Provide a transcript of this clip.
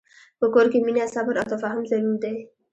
په کور کې مینه، صبر، او تفاهم ضرور دي.